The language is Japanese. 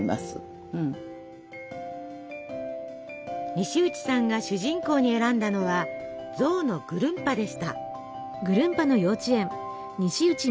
西内さんが主人公に選んだのは象のぐるんぱでした。